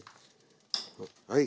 はい。